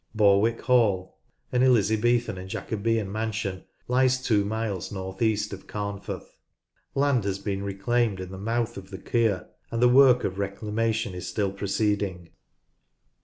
Borwick Hall, an Elizabethan and Jacobean mansion, lies two miles north east ot Carnforth. Land has been reclaimed at the mouth of the rLCE T„00D CIM OWM" Fleetwood Docks Keer, and the work of reclamation is still proceeding, (pp.